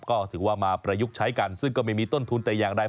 ก็ถือว่ามาประยุกต์ใช้กันซึ่งก็ไม่มีต้นทุนแต่อย่างใด